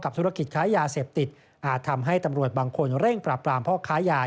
ธุรกิจค้ายาเสพติดอาจทำให้ตำรวจบางคนเร่งปราบปรามพ่อค้ายา